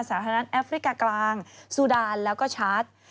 สาธารณะแอฟริกากลางสุดานแล้วก็ชาร์จ